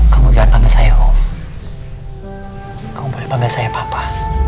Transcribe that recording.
kamu jangan panggil saya om kamu boleh panggil saya papa